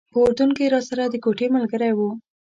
په اردن کې راسره د کوټې ملګری و.